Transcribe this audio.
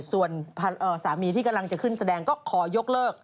ส่วนสามีที่กำลังจะขึ้นแสดงก็ขอยกเลิก